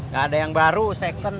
gak ada yang baru second